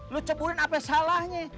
lu ceburin sampe salahnya